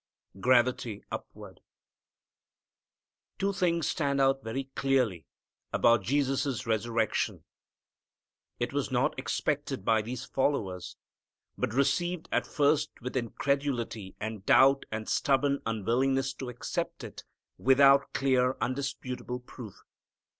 _ Gravity Upward. Two things stand out very clearly about Jesus' resurrection. It was not expected by these followers, but received at first with incredulity and doubt and stubborn unwillingness to accept it without clear undisputable proof.